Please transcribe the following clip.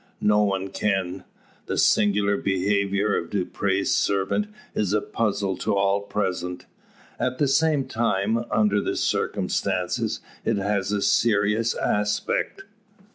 No one can. The singular behaviour of Dupre's servant is a puzzle to all present. At the same time, under the circumstances, it has a serious aspect.